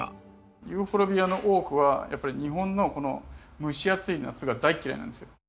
ユーフォルビアの多くはやっぱり日本のこの蒸し暑い夏が大嫌いなんですよ。